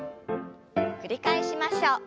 繰り返しましょう。